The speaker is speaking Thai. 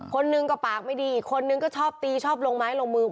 คนหนึ่งก็ปากไม่ดีอีกคนนึงก็ชอบตีชอบลงไม้ลงมือ